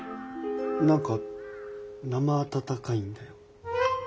何かなま暖かいんだよ。